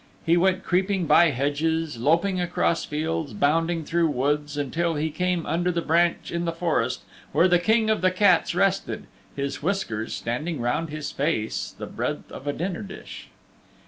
He went creeping by hedges, loping across fields, bounding through woods, until he came under the branch in the forest where the King of the Cats rested, his whiskers standing round his face the breadth of a dinner dish.